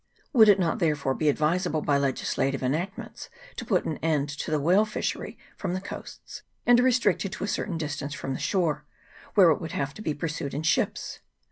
Would it not, therefore, be advisable by legislative enact ments to put an end to the whale fishery from the coasts, and to restrict it to a certain distance from shore, where it would have to be pursued in ships